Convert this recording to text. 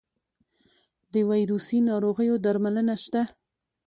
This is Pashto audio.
د ویروسي ناروغیو درملنه شته؟